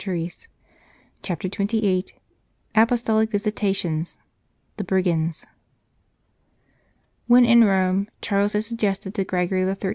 188 CHAPTER XXVIII APOSTOLIC VISITATIONS THE BRIGANDS WHEN in Rome, Charles had suggested to Gregory XIII.